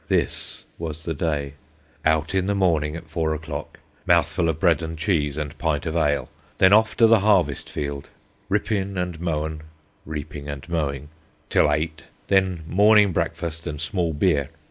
This was the day: "Out in morning at four o'clock. Mouthful of bread and cheese and pint of ale. Then off to the harvest field. Rippin and moen [reaping and mowing] till eight. Then morning brakfast and small beer.